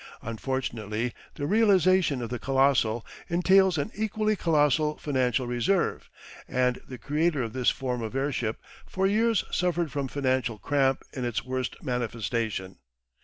Unfortunately, the realisation of the "colossal" entails an equally colossal financial reserve, and the creator of this form of airship for years suffered from financial cramp in its worst manifestation.